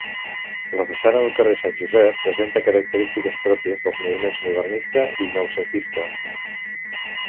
La façana del carrer Sant Josep presenta característiques pròpies dels moviments modernista i noucentista.